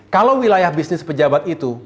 kalau wilayah bisnis pejabat itu